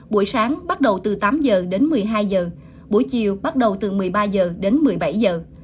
buổi sáng bắt đầu từ tám giờ đến một mươi hai giờ buổi chiều bắt đầu từ một mươi ba giờ đến một mươi bảy giờ